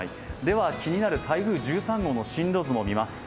気になる台風１３号の進路図も見ます。